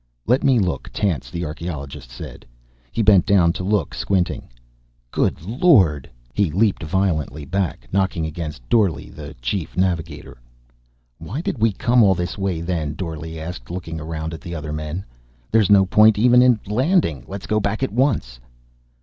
"Let me look," Tance the archeologist said. He bent down to look, squinting. "Good Lord!" He leaped violently back, knocking against Dorle, the Chief Navigator. "Why did we come all this way, then?" Dorle asked, looking around at the other men. "There's no point even in landing. Let's go back at once."